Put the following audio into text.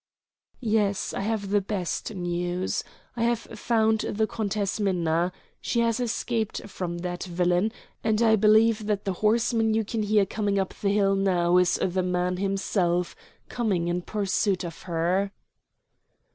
"Yes, I have the best news. I have found the Countess Minna. She has escaped from that villain, and I believe that the horseman you can hear coming up the hill now is the man himself coming in pursuit of her."